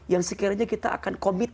yang sekiranya kita akan komit